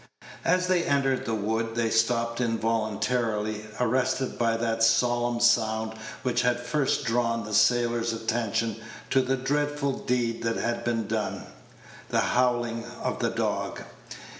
As they entered the wood, they stopped involuntarily, arrested by that solemn sound which had first drawn the sailor's attention to the dreadful deed that had been done the howling of the dog.